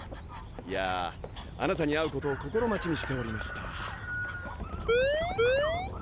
いやぁあなたに会うことを心待ちにしておりました！